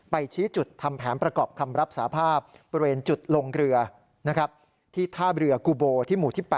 ชี้จุดทำแผนประกอบคำรับสาภาพบริเวณจุดลงเรือที่ท่าเรือกูโบที่หมู่ที่๘